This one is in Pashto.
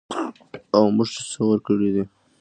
او موږ چې څه ورکړي دي